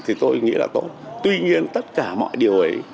thì tôi nghĩ là tốt tuy nhiên tất cả mọi điều ấy